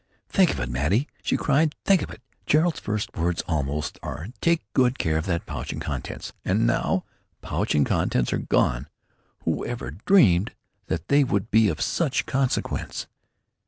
"Think of it, Maidie!" she cried. "Think of it! Gerald's first words, almost, are 'Take good care of that pouch and contents,' and now pouch and contents are gone! Whoever dreamed that they would be of such consequence?